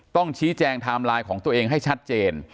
ต้องชี้แจงไทม์ไลน์ของตัวเองให้ชัดเจน